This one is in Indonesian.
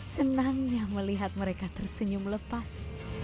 senangnya melihat mereka tersenyum lepas